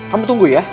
kamu tunggu ya